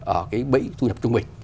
ở cái bẫy thu nhập trung bình